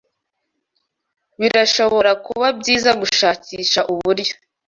birashobora kuba byiza gushakisha uburyo